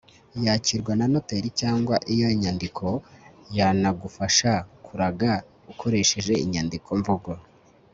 yakirwa na noteri cyangwa iyo nyandiko yanagufasha kuraga ukoresheje inyandiko mvugo